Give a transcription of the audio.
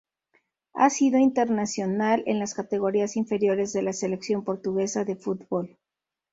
Ha sido internacional en las categorías inferiores de la Selección portuguesa de fútbol.